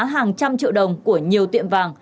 hàng trăm triệu đồng của nhiều tiệm vàng